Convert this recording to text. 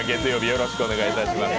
よろしくお願いします